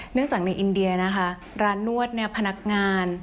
เนื่องจากในอินเดียร้านนวดพนักงาน